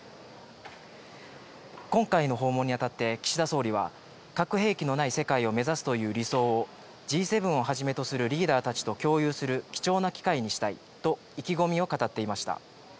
今回の訪問にあたって、岸田総理は、核兵器のない世界を目指すという理想を、Ｇ７をはじめとするリーダーたちと共有する貴重な機会にしたいと、意気込みを語っていました。